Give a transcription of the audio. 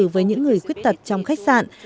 với những người khuyết tật trong khách sạn